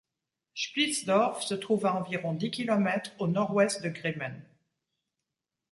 Splietsdorf se trouve à environ dix kilomètres au nord-ouest de Grimmen.